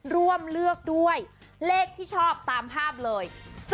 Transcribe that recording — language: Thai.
เลือกด้วยเลขที่ชอบตามภาพเลย